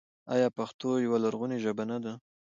آیا پښتو یوه لرغونې ژبه نه ده؟